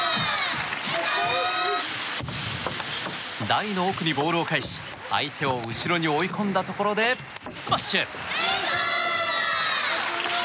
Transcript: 台の奥にボールを返し相手を後ろに追い込んだところでスマッシュ！